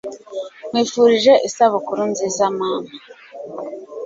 nkwifurije isabukuru nziza mama